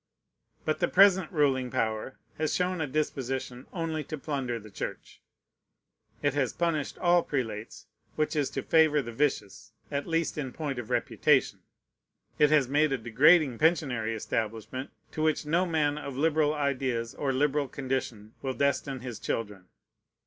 But the present ruling power has shown a disposition only to plunder the Church. It has punished all prelates: which is to favor the vicious, at least in point of reputation. It has made a degrading pensionary establishment, to which no man of liberal ideas or liberal condition will destine his children.